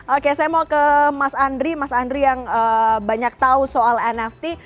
oke saya mau ke mas andri mas andri yang banyak tahu soal nft